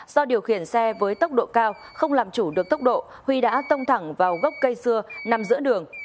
do điều khiển xe với tốc độ cao không làm chủ được tốc độ huy đã tông thẳng vào gốc cây xưa nằm giữa đường